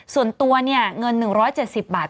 ส่วนตัวเงิน๑๗๐บาท